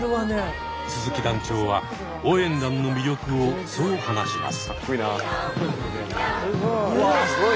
鈴木団長は応援団の魅力をそう話します。